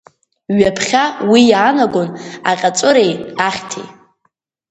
Ҩаԥхьа уи иаанагон аҟьаҵәыреи ахьҭеи.